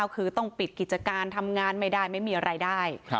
คือต้องปิดกิจการทำงานไม่ได้ไม่มีรายได้